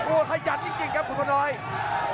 โอ้ถ่ายจัดจริงจริงครับคุณพนอยด์